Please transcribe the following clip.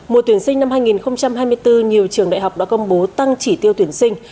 mùa tuyển sinh năm hai nghìn hai mươi bốn nhiều trường đại học đã công bố tăng chỉ tiêu tuyển sinh